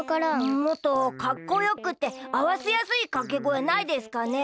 もっとかっこよくてあわせやすいかけごえないですかね？